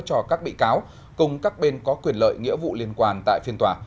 cho các bị cáo cùng các bên có quyền lợi nghĩa vụ liên quan tại phiên tòa